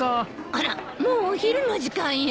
あらもうお昼の時間よ。